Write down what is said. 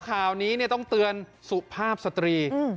ข่าวนี้ต้องเตือนสุภาพสตรี